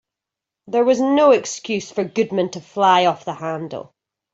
There was no excuse for Goodman to fly off the handle.